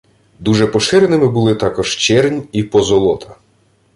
Дуже поширеними були також чернь і позолота.